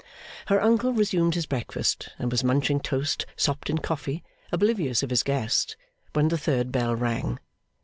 Her uncle resumed his breakfast, and was munching toast sopped in coffee, oblivious of his guest, when the third bell rang.